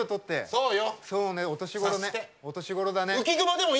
そうよ！